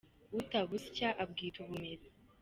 utabushya abwita ubumera.